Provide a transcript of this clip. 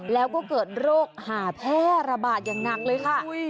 แล้วก็เกิดโรคหาแพร่ระบาดอย่างหนักเลยค่ะ